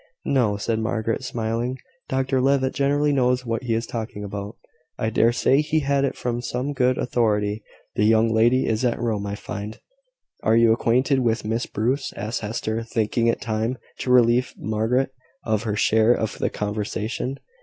"No," said Margaret, smiling. "Dr Levitt generally knows what he is talking about. I dare say he had it from some good authority. The young lady is at Rome, I find." "Are you acquainted with Miss Bruce?" asked Hester, thinking it time to relieve Margaret of her share of the conversation.